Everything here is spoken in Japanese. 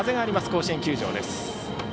甲子園球場です。